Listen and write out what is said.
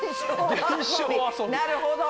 なるほど。